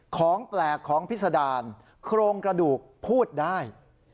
ของแปลกของพิษดารโครงกระดูกพูดได้